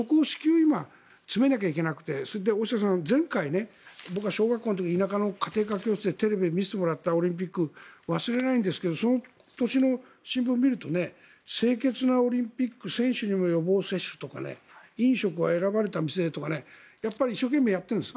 今、詰めなきゃいけなくてそれで大下さん、前回僕は小学校の時田舎の家庭科教室のテレビで見せてもらったオリンピックを忘れないんですがその年の新聞を見ると清潔なオリンピック選手にも予防接種とか飲食は選ばれた店でとかやっぱり一生懸命やっているんです。